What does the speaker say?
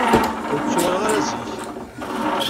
Ur d-ttuɣaleɣ ara zik.